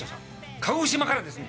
鹿児島からですね。